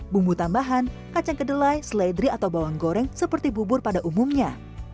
bumbu tambahan kacang kedelai seledri atau bawang goreng seperti bubur pada umumnya